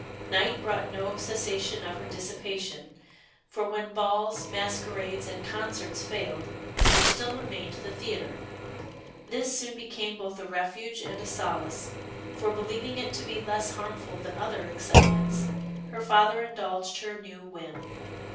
Night brought no cessation of her dissipation, for when balls, masquerades, and concerts failed, there still remained the theatre. This soon became both a refuge and a solace, for believing it to be less harmful than other excitements, her father indulged her new whim.